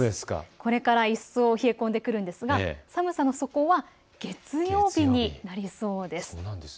これから一層、冷え込んでくるんですが寒さの底は月曜日になりそうです。